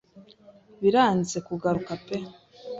Biranze kugaruka pe